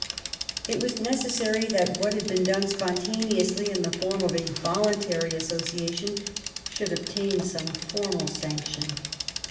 It was necessary that what had been done spontaneously in the form of a voluntary association should obtain some formal sanction.